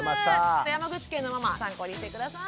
山口県のママ参考にして下さい。